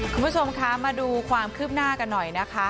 คุณผู้ชมคะมาดูความคืบหน้ากันหน่อยนะคะ